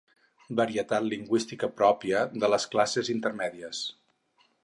Varietat lingüística pròpia de les classes intermèdies.